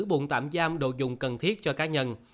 buồn tạm giam đồ dùng cần thiết cho cá nhân